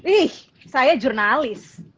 ih saya jurnalis